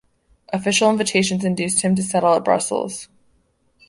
Official invitations induced him to settle at Brussels.